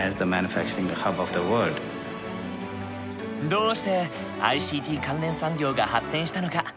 どうしてＩＣＴ関連産業が発展したのか？